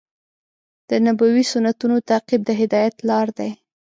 د نبوي سنتونو تعقیب د هدایت لار دی.